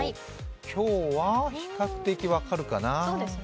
今日は比較的分かるかな。